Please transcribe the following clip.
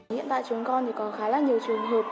hiện tại chúng con thì có khá là nhiều trường hợp